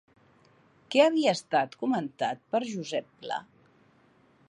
Què havia estat comentat per Josep Pla?